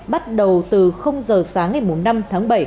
bắt đầu từ giờ sáng ngày năm tháng bảy